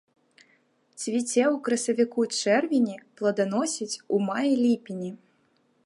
Цвіце ў красавіку-чэрвені, плоданасіць у маі-ліпені.